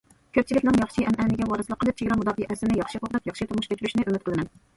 كۆپچىلىكنىڭ ياخشى ئەنئەنىگە ۋارىسلىق قىلىپ، چېگرا مۇداپىئەسىنى ياخشى قوغداپ، ياخشى تۇرمۇش كەچۈرۈشىنى ئۈمىد قىلىمەن.